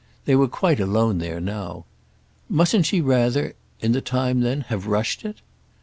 They were quite alone there now. "Mustn't she rather—in the time then—have rushed it?"